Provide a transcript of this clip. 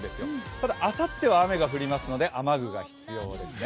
ただ、あさっては雨が降りますので雨具が必要ですね。